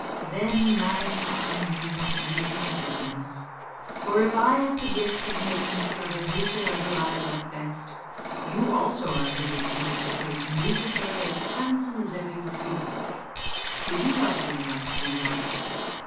"Then, madam, I need not lose my happiness; for if I have the gift of making clever whosoever I love best, you also are able to make the person you prefer as handsome as ever you please. Could you love me enough to do that?"